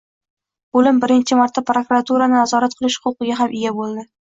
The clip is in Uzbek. Bo'lim birinchi marta prokuraturani nazorat qilish huquqiga ham ega bo'ldi.